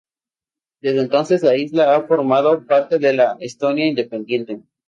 Desde entonces, la isla ha formado parte de la Estonia independiente.